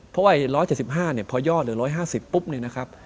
เพราะว่า๑๗๕เนี่ยพอยอดเหลือ๑๕๐ปุ๊บเนี่ยนะครับ